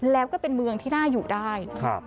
แล้วก็เป็นเมืองที่น่าอยู่ได้